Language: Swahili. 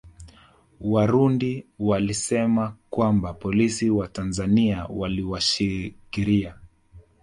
Warundi walisema kwamba polisi wa Tanzania waliwashikiria